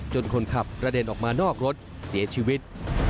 คนขับกระเด็นออกมานอกรถเสียชีวิต